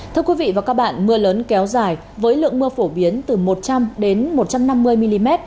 thưa quý vị và các bạn mưa lớn kéo dài với lượng mưa phổ biến từ một trăm linh một trăm năm mươi mm